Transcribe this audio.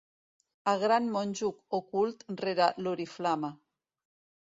El gran monjo ocult rere l'oriflama.